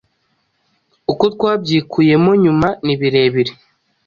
Uko twabyikuyemo nyuma nibirebire